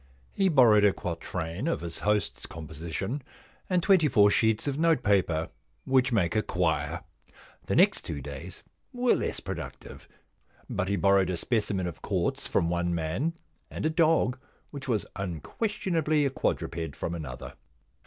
He borrowed a quatrain of his host's composition, and twenty four sheets of notepaper, which make a quire. The next two days were less productive, but he borrowed a specimen of quartz from one man, and a dog, which was unquestionably a quadruped, from another.